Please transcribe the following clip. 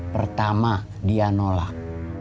pertama dia nolak